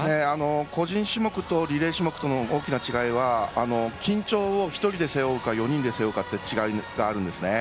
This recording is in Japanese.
個人種目とリレー種目との大きな違いは緊張を１人で背負うか４人で背負うかという違いがあるんですね。